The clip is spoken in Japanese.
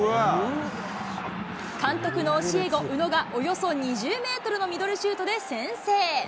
監督の教え子、宇野がおよそ２０メートルのミドルシュートで先制。